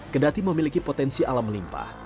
kedati memiliki potensi alam melimpah